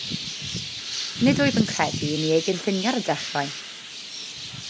Nid wyf yn credu i ni ei gynllunio ar y dechrau.